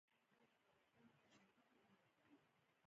باسواده ښځې د بشري مرستو په ادارو کې کار کوي.